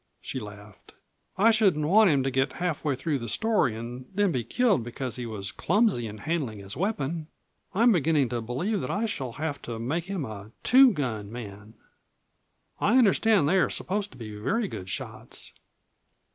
She laughed. "I shouldn't want him to get half way through the story and then be killed because he was clumsy in handling his weapon. I am beginning to believe that I shall have to make him a 'two gun' man. I understand they are supposed to be very good shots."